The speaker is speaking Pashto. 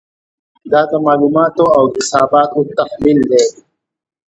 دا د معلوماتو او حساباتو تحلیل دی.